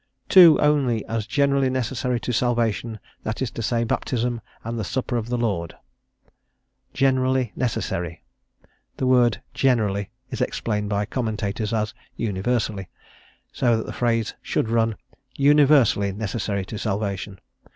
"Two only as generally necessary to salvation, that is to say, Baptism and the Supper of the Lord." "Generally necessary"; the word "generally" is explained by commentators as "universally," so that the phrase should run, "universally necessary to salvation."